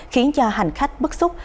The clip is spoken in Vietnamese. khiến cho hành khách bức xúc